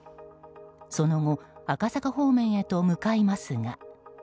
その後、赤坂方面へと向かいますが。